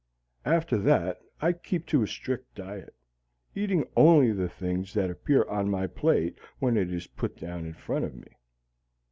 After that I keep to a strict diet, eating only the things that appear on my plate when it is put down in front of me.